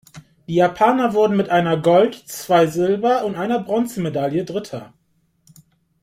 Die Japaner wurden mit einer Gold-, zwei Silber- und einer Bronzemedaille Dritter.